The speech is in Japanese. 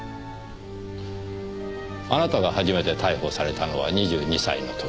あなたが初めて逮捕されたのは２２歳の時。